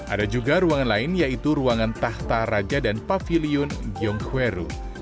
ada juga ruangan lain yaitu ruangan tahta raja dan pavilion gyeongweru